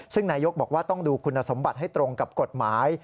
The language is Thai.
ซึ่งนายกบอกว่าต้องดูคุณสมบัติให้ตรงกับกฎหมาย